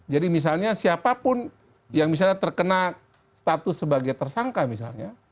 jadi misalnya siapapun yang misalnya terkena status sebagai tersangka misalnya